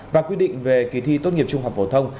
và quy định về kỳ thi tốt nghiệp trung học phổ thông